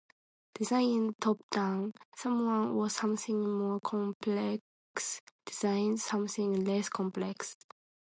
Design is top-down, someone or something more complex designs something less complex.